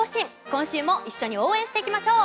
今週も一緒に応援していきましょう。